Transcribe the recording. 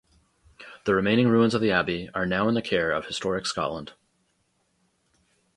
The remaining ruins of the abbey are now in the care of Historic Scotland.